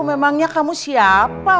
memangnya kamu siapa